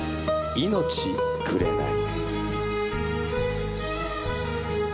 『命くれない』。